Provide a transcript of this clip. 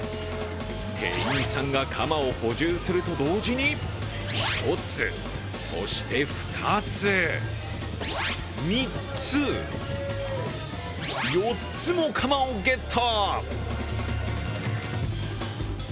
店員さんがカマを補充すると同時に、１つ、そして２つ３つ、４つもカマをゲット！